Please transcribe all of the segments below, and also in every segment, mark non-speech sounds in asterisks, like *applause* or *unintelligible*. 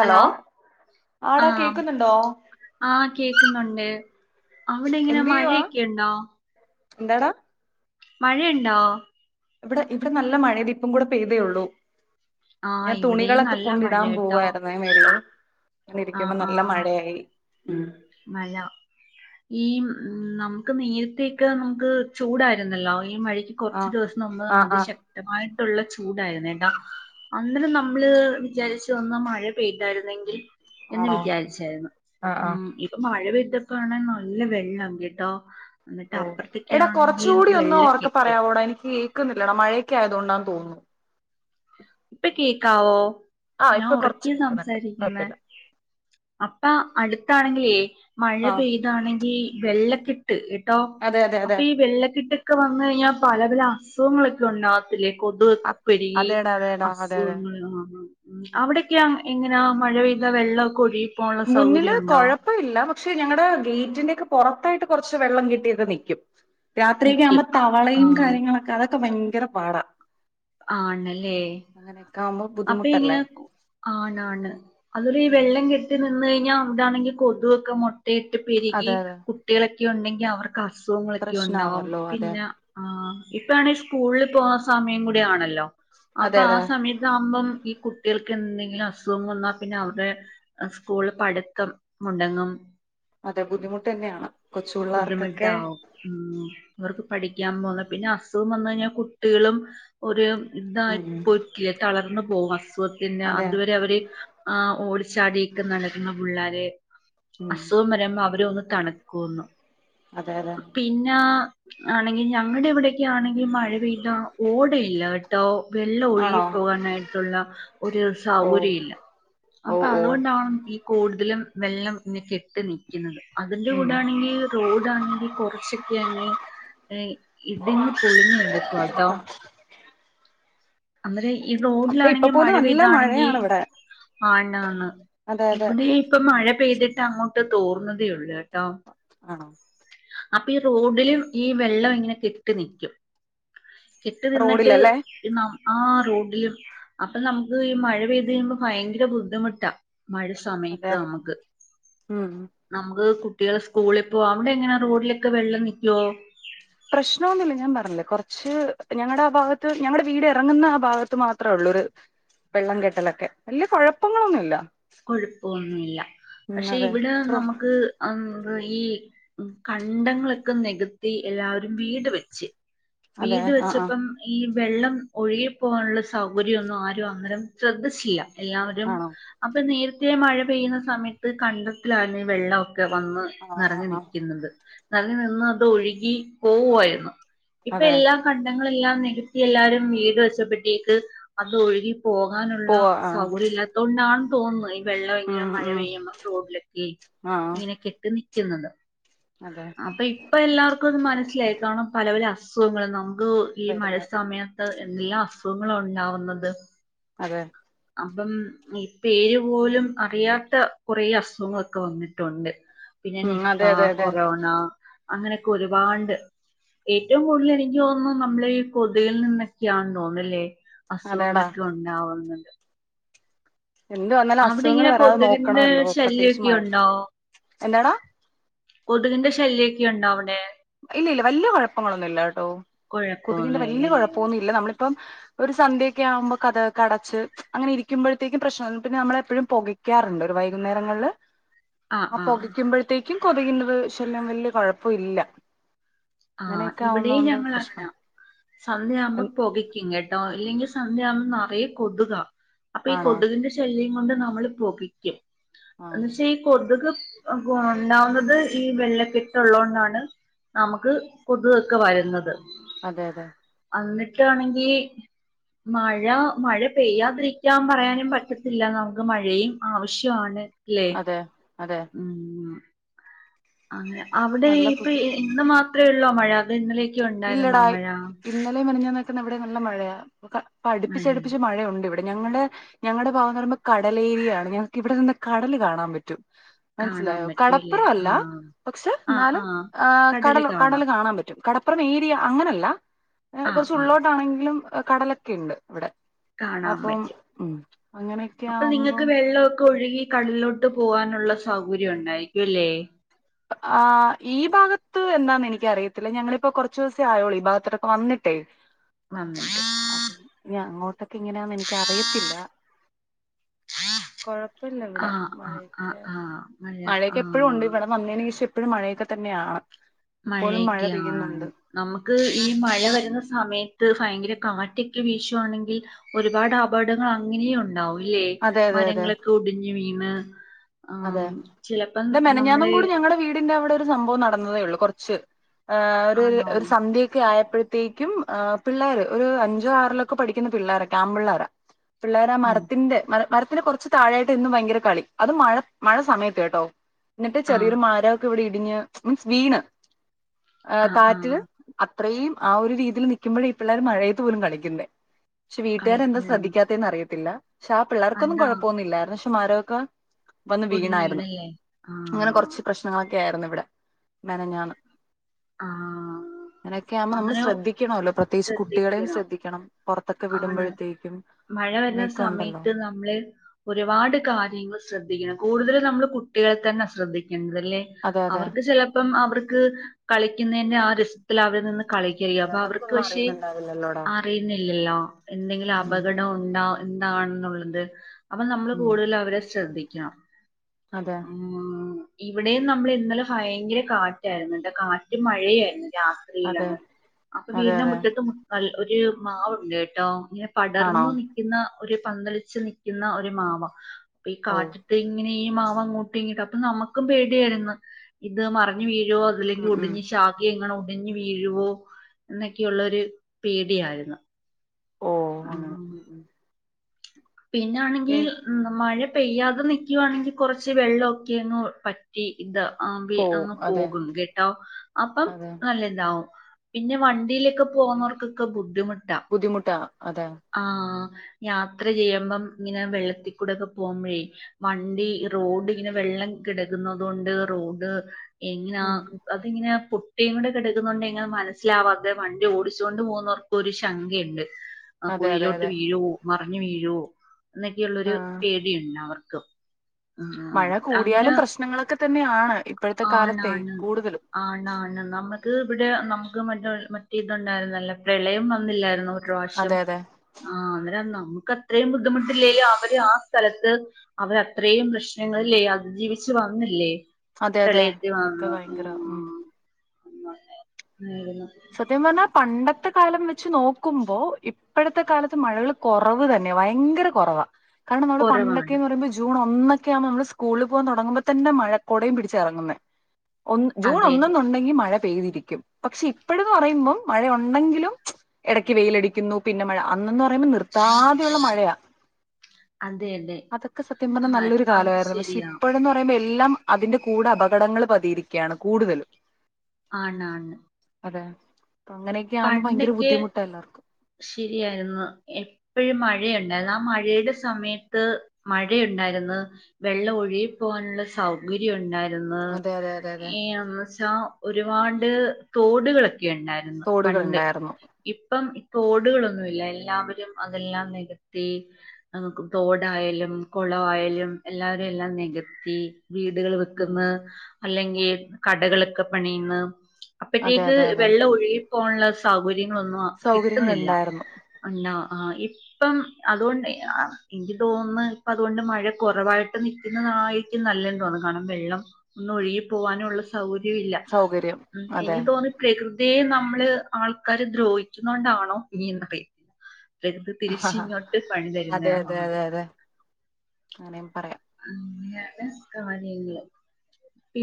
Hello ആടാ ആഹ് കേക്കുന്നുണ്ടോ ആഹ് കേക്കുന്നുണ്ട്. അവിടെ ഇങ്ങനെ എന്ത് ചെയ്യുവാ മഴയൊക്കെയുണ്ടോ? എന്താടാ മഴയുണ്ടോ ഇവിടെ ഇവിടെ നല്ല മഴെ ഇതിപ്പം കൂടെ പെയ്തേയൊള്ളൂ ആ ഞാൻ ഇവിടെയും തുണികളൊക്കെ നല്ല മഴ കൊണ്ടിടാൻ കേട്ടോ പോവ്വായിരുന്നേ മേളില് ആ ന്നിരിക്കുമ്പോ ആ നല്ല മഴയായി ഉം മഴ ഈ ഉം നമുക്ക് നേരത്തേയൊക്കെ നമുക്ക് ചൂടായിരുന്നല്ലോ? ഈ മഴക്ക് കുറച്ചു ആഹ് ദിവസം മുൻപ് ആഹ് അതി ആഹ് ശക്തമായ ള്ള ചൂടായിരുന്നു കേട്ടോ അന്നേരം നമ്മള് വിചാരിച്ചു എന്നാ മഴ പെയ്തായിരുന്നെങ്കിൽ എന്ന് ആണോ വിചാരിച്ചായിരുന്നു ആഹ് ആഹ് ഉം ഇപ്പൊ മഴ പെയ തൊക്കെണൻ നല്ല വെള്ളാ കേട്ടോ എന്നിട്ട് ഓ അപ്പുറത്തൊക്കെ എടാ കൊറച്ച് ആണെങ്കിൽ കൂടി ഒന്നു ഉറക്കെ വെള്ളക്കെട്ട് പറയാവോടാ എനിക്ക് കേൾക്കുന്നില്ലടാ മഴയൊക്കെയാ തോണ്ടാന്ന് തോന്നുന്നു ഇപ്പെ കേക്കാവോ ആഹ് ഞാൻ ഇപ്പൊ കൊറച്ച് ഉറക്കെ കേൾക്കുന്നുണ്ട് സംസാരിക്കുന്നെ കുഴപ്പല്ല അപ്പ അടുത് ട്ടാണെങ്കിലേ മഴ ആഹ് പെയ്താണെങ്കി വെള്ളക്കെട്ട് ട്ട് കേട്ടോ അതെ അതെ അതെ അപ്പൊ ഈ വെള്ളക്കെട്ടൊക്കെ വന്നഴിഞ്ഞാൽ പലത് ല അസുഖങ്ങളൊക്കെ ഉണ്ടാകത്തില്ലേ കൊതുകൊക്കെ പെര്കി അതേടാ അതേടാ അതെ അതെ അസുഖങ്ങൾ ആഹ് ആഹ് ഉം അവിടൊക്കെയെങ്ങനാ മഴ പെയ്ത വെള്ളമൊക്കെ ഒഴുകി മുന്നില് കൊഴപ്പവില്ല പ ക്ഷെ ഞങ്ങളുടെ ഗേറ്റിന്റെ ഒക്കെ പുറത്തായിട്ട് കൊറച്ച് വെള്ളം കെട്ടിയൊക്കെ നിക്കും. രാത്രിക്കെ നിക്കും ആകുമ്പം തവളയും, ആഹ് കാര്യങ്ങളൊക്കെ അത് ഒക്കെ ഭയങ്കര പാടാ ആണല്ലേ? അങ്ങനെയൊക്കെ ആവുമ്പോ അപ്പ ബുദ്ധിമുട്ടല്ലേ ഇങ്ങനെ കു ആണാണ് അതൊരി ഉം വെള്ളം കെട്ടി നിന്ന് ക ഞ്ഞ അവിടാണെങ്കി കൊതുവൊക്കെ മൊ *unintelligible* ട്ട് പെരുകി അതെ അതെ കുട്ടികളെ യുണ്ടെങ്കിൽ അവർക്ക് അസുഖങ്ങളൊക്കെ ഉണ്ടാവും പ്രശ്നാവല്ലോ അതെ പിന്നെ ആ ഇപ്പാണെങ്കിൽ സ്കൂളിൽ പോവാൻ സമയം കൂടി ആണല്ലോ അതെ അപ്പൊ ആ അതെ സമയ ഈ കുട്ടികൾക്ക് എന്തെങ്കിലും അസുഖം വന്നാൽ പിന്നെ അവരുടെ സ്കൂളിൽ പഠിത്തം മുടങ്ങും. അതെ ബുദ്ധിമുട്ട് തന്നെയാണ്. കൊച്ചു പിള്ളേർക്കൊക്കെ ബുദ്ധിമുട്ടാകും ഉം ഇവർക്ക് പഠി *unintelligible* പോണം. പിന്നെ അസുഖം വന്നു കഴിഞ്ഞാൽ കുട്ടികളും ഒരു ഇതായി ഉം *unintelligible* പൊക്കിയ തളർന്നു പോവാ ത്തിന്ന അതെ അതുവരെ അവര് ആ ഓടിച്ചാടി നടക്കുന്ന പിള്ളാര് ഉം അസുഖം വരുമ്പം അവരൊന്ന് തണക്കൂന്നു അതെ അതെ പിന്നാ ആണെങ്കിൽ ഞ അങ്ങടെവിടെ? ആണെങ്കിൽ മഴ പെയ്താൽ ഓടയില്ല കേട്ടോ വെള്ളം ഒഴുകി ആണോ പോകാനായിട്ടുള്ള ഒരു ഓ സൗകര്യം ഇല്ല ഓ അപ്പൊ ഓ അതുകൊണ്ടാണ് ഈ അതിലും വെള്ളം ഇനി കെട്ടി നിക്കുന്നത് അതിന്റെ ഉം കൂടാണെങ്കിൽ *unintelligible* ണെങ്ക കുറച്ചൊക്കെ അങ്ങ് ഏ ഇടിഞ്ഞ് പൊളിഞ്ഞു കിടക്കുവാട്ടോ *unintelligible* ഈ അതെ ഇപ്പൊ റോഡിലാണെങ്കി മഴ പോലും നല്ല പെയ്താണെങ്കി മഴയാണ് ഇവിടെ ആണാണ് അതെ അതെ ഇവിടെ ഇപ്പ മഴ പെയ്തിട്ട് അങ്ങോട്ട് തോർന്നതെയുള്ള ആണോ അപ്പൊ ഈ റോഡിലും ഈ വെള്ളം ഇങ്ങനെ കെട്ടി നിക്കും കെട്ടി നിന്നിട്ട് റോഡിലല്ലേ ഇ ന ആ റോഡിലും അപ്പൊ നമുക്ക് ഈ മഴ പെയ്ത് കഴിയുമ്പോ ഭയങ്കര ബുദ്ധിമുട്ടാ മഴ അതെ സമയത്ത് നമുക്ക് ഉം നമുക്ക് കു കുട്ടികൾ സ്കൂളിൽ പോക അവിടെ എങ്ങനെ റോഡിലൊക്കെ വെള്ളം നിക്കുവോ പ്രശ്നമൊന്നുമില്ല ഞാൻ പറഞ്ഞില്ലേ കുറച്ച് ഞങ്ങടെ ആ ഭാഗത്ത് ഞങ്ങടെ വീട് ഇറങ്ങുന്ന ആ ഭാഗത്ത് മാത്രമേ ഉള്ളൂ ഒരു വെള്ളം കെട്ടലൊക്കെ വലിയ കുഴപ്പങ്ങളൊന്നുമില്ല കൊഴപ്പൊന്നുമില്ല ഉം പക്ഷെ അതെ ഇവിടെ നമുക്ക് മ് അ ഈ കണ്ടങ്ങളൊക്കെ നികത്തി എല്ലാവരും വീട് വെച്ച് അതെ വീട് ആഹ് ആഹ് വെച്ചപ്പം ഈ വെള്ളം ഒഴുകിപ്പോകാനുള്ള സൗകര്യംമൊന്നും ആരും അന്നേരം ശ്രദ്ധിച്ചില്ല എല്ലാവരും ആണോ നേരത്തെ മഴ പെയ്യുന്ന സമയത്ത് കണ്ടത്തിലാണ് ഈ വെള്ളം ഒ ക്കെ വന്ന് ആഹ് ആഹ് നിറഞ്ഞ് ആഹ് നിക്കുന്നത് തങ്ങി നിന്ന് അത് ഒഴുകി പോവുവായിരുന്നു ഇപ്പ അതെ എല്ലാം കണ്ടങ്ങ ങ്ങള് എല്ലാം നികത്തി എല്ലാരും വീട് വെച്ചപ്പഴേത്തേക്ക് അത് ഒഴികി പോകാനുള്ള പോവാ ആഹ് സൗകര്യം ഇല്ലാത്തോണ്ടാണ് തോന്നുന്നെയ് വെള്ളം ഇങ്ങനെ ഉം മഴ ഉം പെയ്യുമ്പം റോഡിലൊക്കെ ആഹ് ഇങ്ങനെ കെട്ടിനി ക്കുന്നത് അതെ അപ്പ ഇപ്പൊ എല്ലാവർക്കും അത് മനസ്സിലായിക്കണം പല പല അ സുഖങ്ങളെ ന ഗൊ ഈ മഴ വരുന്ന് സമയത്ത് ന്തെല്ലാ അസുഖങ്ങള ഉണ്ടാവുന്നത് അതെ അപ്പം ഈ പേര് പോലും അറിയാത്ത കുറേ അസുഖങ്ങളൊക്കെ വന്നിട്ടുണ്ട് പിന്നെ ഉം നിപ്പ അതെ അതെ അതെ കൊറോണ അങ്ങനെയൊക്കെ ഒരുപാണ്ട് ഏറ്റവും കൂടുതൽ എനിക്ക് തോന്നുന്നു നമ്മളെ ഈ കൊതുകിൽ നിന്നൊക്കെയാന്ന് തോന്ന്ന്നല്ലേ അതേടാ അസുഖങ്ങളൊക്കെ ഉണ്ടാവുന്നു എന്ത് വന്നാലും അവിടെ അസുഖങ്ങൾ ഇങ്ങനെ വരാതെ കൊതുകിന്റെ നോക്കണല്ലോ പ്രത്യേകിച്ച് ശല്യൊക്കെ മഴക് ഉണ്ടാവോ എന്താടാ കൊതുകിന്റെ ശല്യക്കെ ഉണ്ടാവിടെ ഇല്ല ഇല്ല വല്യ കുഴപ്പങ്ങളൊന്നുല്ലട്ടോ കൊതുകിന്റെ വല്യ കുഴപ്പൊന്നുമില്ലല്ലേ കുഴപ്പൊന്നു ഇല്ല നമ്മള് ഇപ്പം ഒരു സന്ധ്യൊക്കെ ആഉമ്പോ കതക് ഒക്കെ അടച്ച് അങ്ങനെ ഇരിക്കുമ്പോഴത്തേക്കും പ്രശ്നം പിന്നെ നമ്മള് എപ്പോഴും പുകയ്ക്കാറുണ്ട് ഒരു വൈകുന്നേരങ്ങളില് ആ പൊകയ്ക്കുമ്പയ്ത്തേക്ക് ക്കും കൊത്കിന്റെത് ശല്യം വല്യ കൊഴപ്പൊയില്ല ആ ഇവിടെയും ഞങ്ങള് അങ്ങനാ പ്രശ്നം സന്ധ്യയാവുമ്പോം പൊകക്കും കേട്ടോ ഇല്ലെങ്കിൽ സന്ധ്യയാവുമ്പോ നറയെ കൊതുക അപ്പൊ ഈ ആണോ കൊതുകിന്റെ ശല്യം മന്തെന്ന അമ്മള് *unintelligible* ആഹ് ന്നക്ഷെ ഈ കൊത് കൊതുക് ഉണ്ടാവുന്നത് ഈ വെള്ളക്കെട്ട് ഉള്ളോണ്ടാണ് നമുക്ക് കൊതുക് ഒക്കെ വരുന്നത് അതെ അതെ എന്നിട്ടാണെങ്കി മഴ മഴ പെയ്യാതിരിക്കാൻ പറയാനും പറ്റത്തില്ല നമുക്ക് മഴയും ആവിശ്യാണ് അതേ. അതെ. അങ്ങനെ അവിടെ നല്ല പു ഇപ്പൊ ഇന്ന് മാ അത്രയേ ഉള്ളോ മഴ? അതോ ഇന്നലെ ഇല്ലടാ ഇന്നലെ മിനിഞ്ഞാന്ന് തന്നെ ഇവിടെ നല്ല മഴയാ. ഇപ്പൊക്കെ മഴ അടുപ്പിച്ചടുപ്പിച്ച് മഴയുണ്ട് ഇവി ഞങ്ങളുടെ ഞങ്ങടെ ഭാഗംന്ന് പറയുമ്പോ കടലേരിയാണ്. ഞങ്ങക്ക് ഇവിടെ നിന്ന് കടൽ കാണാൻ പറ്റും. കാണാൻ മനസ്സിലായോ പറ്റൂല്ലേ കടപ്പുറം അല്ല ആഹ് പക്ഷെ ആഹ് ഇന്നാലും ആഹ് ഏഹ് കടൽ കടല് കാണാൻ പറ്റും. അപ്പറം ഏരിയ അങ്ങനല്ല. ആഹ് കൊറച്ച് ആഹ് ഉള്ളോട്ട് ആണെങ്കിലും കടലൊക്കെ ഇണ്ട് ഇവിടെ കാണാൻ അപ്പം പറ്റും ഉം അങ്ങനെയൊക്കെ അപ്പൊ ആവുമ്പം നിങ്ങക്ക് വെള്ളവൊക്കെ ഒഴുകി കടലിലോട്ട് പോവാനുള്ള സൗകര്യം ഉണ്ടായിരിക്കും അല്ലേ? ആ് ഈ ഭാഗത്ത് എന്താന്ന് എനിക്കറിയത്തില്ല ഞങ്ങളിപ്പോ കൊറച്ചു ദിവസം ആയോളൂ ഈ ഭാഗത്തട്ടെക്കെ വന്നിട്ടേ. വന്നിട്ട് ഇഞ്ഞി അങ്ങോ അതൊക്കെങ്ങനാന്ന് എനിക്കറിയത്തില്ല കൊഴപ്പ ആ ആഅ ആ മഴ ആ ഏനീ ഷം എപ്പഴും മഴയൊക്കെത്തന്നെയാണ് മഴയൊക്കെയാൺ നമ്ക്ക് ഈ മഴ വരുന്ന സമയ ത്ത് ഫയങ്കര കാറ്റൊക്കെ വീശുവാണെങ്കിൽ ഒരുപാട് അപടങ്ങൾ അങ്ങനെയ് ഉണ് ണ്ടാവും ല്ലേ അതെ അതെ അതെ മരങ്ങളൊക്കെ ഒടി ഇവീണ് അതെ ത് മെനഞ്ഞാന്നും കൂടി ഞങ്ങളടെ വീടിന്റെ അവ്ടെ സംഭവം നടന്നതേ ഉള്ളൂ കൊർച്ച് ആ ഒരു ആണോ ഒര് സന്ധ്യൊക്കെ ആയ പ്പഴത്തേക്യും ആ പിള്ളാര് ഒരു അഞ്ചോ ആറിലൊക്കെ പഠിക്കുന്ന പിള്ളാര് ആമ്പിള്ളാരാ പിള്ളാരാ ഉം മരത്തിന്റെ മര് മര ത്തിന്റെ കൊർച്ച് താഴായിട്ട് എന്നും ഭയങ്കര കളി അതും മഴ മഴ സമയത്ത് കേട്ടോ ന്നിട്ട് ആഹ് ചെറിയൊരു മാരോക്കെവിടി *unintelligible* മീൻസ് വീണ് ആ ആഹ് കാറ്റില് ആഹ് അ ത്രയും ആ ഒരു രീതിൽ നിക്കുമ്പഴ ഇ പിള്ളര് മഴയത്ത് പോലും കളിക്കുന്നേ ക്ഷെ വീട്ടുകാരെന്താ കളിക്കുന്ന ശ്രദ്ധിക്കാത്തെന്നറിയത്തില്ല ഷെ ആ പിള്ളാർക്കൊന്നും അതാ കൊഴപ്പവൊന്നും ഇല്ലാരുന്നു പക്ഷെ മരോക്കെ വന്ന് ഒടിഞ്ഞു വീണാരുന്നു വീണല്ലേ അങ്ങനെ ആഹ് കൊറച്ച് പ്രശ്നമാ ക്കെയാർന്നിവിടെ മെനഞ്ഞാന്ന് ആഹ് അങ്ങനെക്കെ ആമ്പോ നമ്മള് അങ്ങനെ ശ്രദ്ധിക്കണോല്ലൊ പ്രത്യേകിച്ച് കുട്ടികളേം ശ്രദ്ധിക്കണം ശ്രദ്ധിക്കണം പുറത്തൊക്കെ ആണ് വിടുമ്പോഴത്തേക്കും മഴ വരുന്ന അങ്ങനെയൊക്കെ ഉണ്ടല്ലോ സമയത്ത് നമ്മള് ഒരുപാട് കാര്യങ്ങൾ ശ്രദ്ധിക്കണം കൂടുതലും നമ്മള് കുട്ടികളെ തന്നെ ശ്രദ്ധിക് എന്തല്ലേ അതെ അതെ അവർക്ക് ചിലപ്പം അവർക്ക് കളിക്കുന്നേന്റെ ആ രസ്ത്തില് അവര് നിന്ന് കളിക്കയ് അതെ അപ്പൊ അവർക്ക് അവർക്കൊന്നും പക്ഷേ അറിയുന്നുണ്ടാവില്ലല്ലോടാ അറിയില്ലെ എല്ലോ എന്തെങ്കിലും ഉം അപകടം ഉണ്ടോ എന്താണെന്നുള്ളത് അപ്പം നമ്മള് ഉം കൂടുതല് അവരെ ശ്രദ്ധി ക്ക്യം അതെ ഇവിടെയും നമ്മളിന്നലെ ഭയങ്കര കാറ്റാരുന്നു എന്നിട്ട് കാറ്റും മഴയായിരുന്നു അതെ രാത്രിയില്ലങ്ങ് അപ്പം അതെ വീടിന്റെ അതെ മുറ്റത്ത് *unintelligible* ഒരു ഇതും മാവുണ്ട് കേട്ടോ അങ്ങനെ ആണോ പടർന്നു നിക്കുന്ന ഒരു പന്തളിച്ചു നൽക്കുന്ന ഒരു മാവ അപ്പൊ ഈ ഓ കാട്ടത്തെ ഇങ്ങനെ മാവ് അങ്ങോട്ടി ഇങ്ങട്ട് അപ്പൊ നമ്മുക്കും പേടിയായിരുന്നു ഇത് മറിഞ്ഞീവി രുവോ അത്ല്ലെങ്കിൽ ഉം ഉം ഒടിഞ് ഷാകെങ്ങണ ഒടി ടിഞ്ഞു വീഴുവോ എന്നൊക്കെയുള്ള ഒരു പേടിയായിരുന്നു ഓ അങ്ങനെ അഹ് ഉം ഉം പിന്നാണെങ്കിൽ എനി മഴ പെയ്യാതെ നിക്കുവാണെങ്കിൽ കൊറച്ച് വെള്ളമൊക്കെന്ന് പറ്റി ഇത് ആ പോവും അങ് അതെ പോകും കേട്ടോ അപ്പം അതെ നല്ലതാവും പിന്നെ വണ്ടിയിലൊക്കെ പോകുന്നവർക്കൊക്കെ ബുദ്ധിമുട്ട് ബുദ്ധിമുട്ട ആഹ യാത്ര ചെയ്യുമ്പം ഇങ്ങനെ വെള്ളത്തിൽക്കൂടെൊക്കെ പോകുമ്പോഴേ വണ്ടി റോഡ് ഇങ്ങനെ വെള്ളം കിടക്കുന്നത കൊണ്ട് റോഡ് എങ്ങനാ ഉം അതിങ്ങനെ പുട്ടിയും കൂടെ കിടക്കുന്നണ്ട് എങ്ങെ മനസ്സിലാവാതെ വണ്ടി ഓടിച്ചു കൊണ്ട് പോകുന്നവർക്ക് ഒരു ശങ്കയുണ്ട് ആ അതെ അതെ കുഴയിലോട്ട് അതെ വീഴ മറ അ വീഴു എന്നൊക്കെയുള്ളൊരു ആഹ് പേടിയുണ്ട് അവർ ിക്ക മഴ കൂടിയാലും പ്രശ്നങ്ങളൊക്കെ തന്നെ തന്നെയാണ് ഇപ്പോഴത്തെ കാലത്തെ ആണാണ് കൂടുതലും ആണാണ് നമ്മ ത് ഇവിടെ നമുക്ക് മറ്റ മറ്റേ ഇതുണ്ടായിരുന്നല്ല പ്രളയം വന്നില്ലായിരുന്നു പ്രാവശ്യം അതെ അതെ ആഹ അന്നേരംന്നോ നമുക്ക് അത്രയും ബുദ്ധിമുട്ടില്ലേല അവര് ആ സ്ഥലത്ത് അവര അത്രയും പ്രശ്നങ്ങളില്ലേ അത് ജീവിിച്ചു വന്നില്ലേ അതെ അതെ പ്രളയത്തിൽ അതൊക്കെ ഭയങ്കര ഉം ആ സത്യം പറഞ്ഞാൽ പണ്ടത്തെ കാലം വെച്ച് നോക്കുമ്പോ ഇപ്പോഴത്തെ കാലത്ത് മഴകൾ കുറവ് തന്നെയ ഭയങ്കര കുറവാ കാരണം നമ്മൾ കുറവാണ് പണ്ടോക്കെന്ന് പറയുമ്പോ ജൂൺ ഒന്നൊക്കെ ആവുമ്പോ നമ്മള് സ്കൂളിൽ പോകാൻ തുടങ്ങുമ്പോ തന്നെ കുടയും പിടിച്ച ഇറങ്ങുെന്നെ ഒ ജൂൺ അതെ ഒന്ന് അതെ എന്ന് ഉണ്ടെങ്കിൽ മഴ പെയ്തിരിക്കും പക്ഷെ അപ്പോഴന്ന് പറയുമ്പോ മഴയുണ്ടെങ്കിലും ഇടയ്ക്ക് വെയിലടിക്കുന്നു പിന്നെ മഴ അന്നെന്ന് പറന്നാ പറയുമ്പോ നിർത്താതെയുള്ള മഴയാ അതെ അതെ അതൊക്കെ സത്യം പറഞ്ഞ നല്ലൊരു അത് കാലമായിരുന്നു പക്ഷെ ശരിയാ ഇപ്പോഴെന്ന് പറയുമ്പോ എ എല്ലാം അതിന്റെ കൂടെ അപകടങ്ങൾ പതിയിരിക്കുകയാണ് കൂടുതലും ആണ് ആണ് അതെ അങ്ങനെയക്കെ ആവുമ്പോ ഭയങ്കര ബുദ്ധിമുട്ടാ എല്ലാർക്കും ശരിയായിരുന്നു എപ്പോഴും മഴയുണ്ടായിരുന്നു ആ മഴയുടെ സമയത്ത് മഴയുണ്ടായിരുന്നു വെള്ളം ഒഴുകിപ്പോകാനുള്ള സൗകര്യം ഉണ്ടായിരുന്നു അതെ അതെ അതെ ന്ന് അതെ ഇ എന്നച്ചാ ഒ രുപാട് തോടുകളൊ ക്കെ ഇണ്ടായിര്ന്ന് തോടുകൾ പണ്ട് ഉണ്ടായിരുന്നു ഇപ്പം തോടുകളൊന്നു ഇല്ല എല്ലാവരും അതെല്ലാം നികത്തി നമ്മുക്ക് തോടായാലും കുളാവായാലും എല്ലാരും എല്ലാം നികത്തി വീടുകൾ ഉം വെക്കുന്ന അല്ലെങ്കിൽ കടകളൊക്കെ പണിയ്ന്ന് അതെ അപ്പഴത്തേക്ക് അതെ അതെ വെള്ളം ഒഴുകി ഇപ്പോള്ള സൗകര്യങ്ങളൊന്നും അ സൗകര്യങ്ങൾ ഉണ്ടായിരുന്നു ആ ഇപ്പം അതുകൊണ്ട് എനിക്ക് തോന്നുന്ന് ഇപ്പം അതുകൊണ്ട് മഴ കുറവായിട്ട് നിക്കുന്നതായിരിക്കും നല്ലതെന്ന് തോന്നുന്നു കാരണം വെള്ളം ഒന്ന് ഒഴുകി പോവാനുള്ള സൗകര്യവില്ല സൗകര്യം അതെ എനിക്ക് തോന്നി പ്രകൃ ഇതേ നമ്മള് ആൾക്കാര് ദ്രോഹി ക്കുന്നോണ്ടാണോ ഇനി *unintelligible* *unintelligible* തിരിച്ചിങ്ങോട്ട് പണി അതെ തരുന്നയാ അതെ അതെ അതെ *unintelligible* പറയാം അങ്ങെയാണ് കാര്യങ്ങള്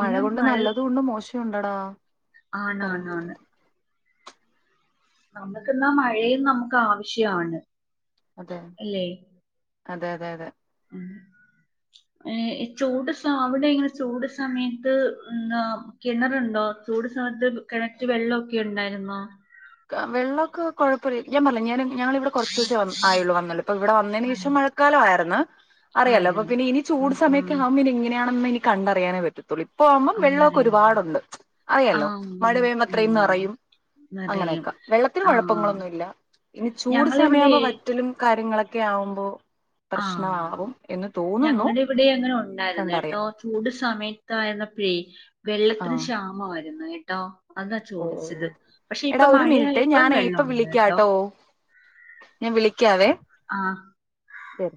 മഴ കൊണ്ട് നല്ലതൂണ്ട് മോശവും ഉണ്ടടാ പറയാൻ ആണാണാണ് പറ്റത്തില്ല നമ്മുക്കിന്നാ മഴയും നമുക്ക് ആവശ്യാണ് അതെ അല്ലേ അതെ അതെ അതെ ചൂട് അവിടെ സ അവിടെ എങ്ങനെ ചൂട് സമയത്ത് ന്താ കിണറ്ണ്ടോ ചൂട് സമയത്ത് കിണറ്റ് വെള്ളമൊക്കെ ഉണ്ടായിരുന്നോ വെള്ളൊക്കെ കുഴപ്പല്ല ഞാൻ പർഞ്ഞിലേ ഞാന് ഞങ്ങൾ ഇവിടെ കുറച്ചൂസേ വ ആയുള്ളൂ വന്നുള്ളൂ ഇപ്പ ഇവിടെ വന്നേന് ശേഷം മഴക്കാലം ആയിരുന്ന് അറിയാലോ അപ്പൊ ആയിരുന്നു പിന്നെ ഇനി ഉം ചൂട് ഉം സമയക്കെ ആവുമ്പ ഇനിഎങ്ങനെയാണെന്ന് എനി കണ്ടറിയാനേ പറ്റു ഇപ്പ ആവുമ്പം വെള്ളമൊക്കെ അന്നേരം ഒരുപാടുണ്ട് അറിയാലോ ആഹ് മഴ പെയ്യുമ്പോ ഉം അത്രേയും നെറയും നിറയും അങ്ങനെയൊക്കെ വെള്ളത്തിന് ആഹ് കുഴപ്പങ്ങളൊന്നും ഇല്ല ഇനി ചൂട് ഞങ്ങളിവിടെ സമയമാവുമ്പോ വറ്റലും കാര്യങ്ങളൊ ഒക്കെ ആവുമ്പോ ആന് പ്രശ്നമാവും എന്ന് തോന്നുന്നു ഞങ്ങടെ ഇവിടെ അങ്ങനെ ഉണ്ടായിരുന്നു കേട്ടോ കണ്ടറിയാം ചൂട് സമയ ത്തായിരുന്നപ്പഴേ വെള്ളത്തിന് ആഹ് ക്ഷാമമായിരുന്നു ന്ന് കേട്ടോ അതാ ഓ ഓ ചോദിച്ചത് ഓ പക്ഷെ എടാ ഇപ്പ ഒരു മഴയാ മിനിറ്റ് യപ്പം ഞാനേ വെള്ളം ഇപ്പൊ ഒണ്ട് ട്ടോ വിളിക്കാട്ടോ ഞാൻ വിളി ക്കാവേ ശരി